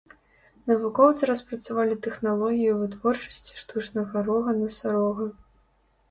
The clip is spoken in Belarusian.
Навукоўцы распрацавалі тэхналогію вытворчасці штучнага рога насарога.